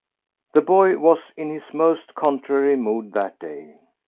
The boy was in his most contrary mood that day.